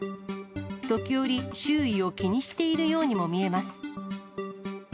時折、周囲を気にしているようにも見えます。